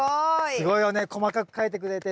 すごいよね細かく書いてくれて。